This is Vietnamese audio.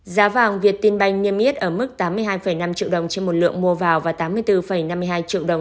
giá vàng việt tinh banh niêm yết ở mức tám mươi hai năm triệu đồng trên một lượng mua vào và tám mươi bốn năm mươi hai triệu đồng